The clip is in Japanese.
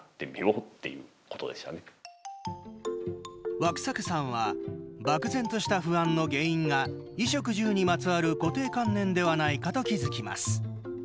ワクサカさんは漠然とした不安の原因が衣食住にまつわる固定観念ではないかと気付きます。